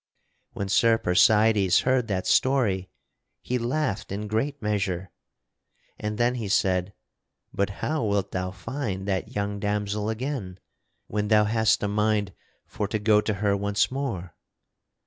When Sir Percydes heard that story he laughed in great measure, and then he said: "But how wilt thou find that young damosel again when thou hast a mind for to go to her once more?"